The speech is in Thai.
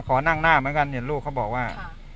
ขอนั่งหน้าเหมือนกันเนี่ยลูกเขาบอกว่า